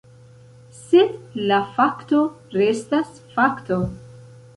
Sed la fakto restas fakto.